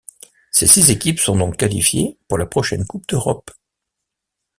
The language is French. Ces six équipes sont donc qualifiées pour la prochaine coupe d'Europe.